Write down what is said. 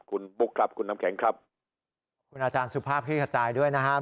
คุณบุ๊คครับคุณน้ำแข็งครับคุณอาจารย์สุภาพคลิกขจายด้วยนะครับ